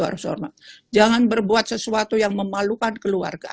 harus hormat jangan berbuat sesuatu yang memalukan keluarga